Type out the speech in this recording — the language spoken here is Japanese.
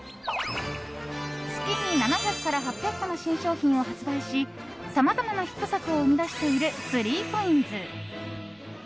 月に７００から８００個の新商品を販売しさまざまなヒット作を生み出している３ＣＯＩＮＳ。